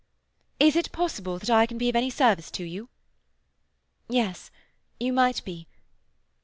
"Is it possible that I can be of any service to you?" "Yes. You might be.